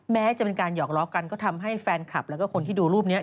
แม้จะเป็นการหอกล้อกันก็ทำให้แฟนคลับแล้วก็คนที่ดูรูปนี้